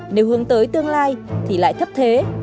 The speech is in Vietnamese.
nếu hướng tới tương lai thì lại thấp thế